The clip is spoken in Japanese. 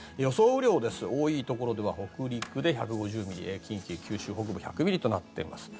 雨量、多いところでは北陸で１５０ミリ近畿、九州北部１００ミリとなっています。